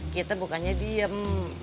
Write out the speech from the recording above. kita bukannya diam